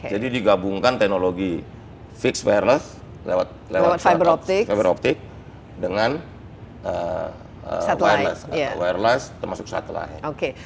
jadi digabungkan teknologi fixed wireless lewat fiber optic dengan wireless termasuk satellite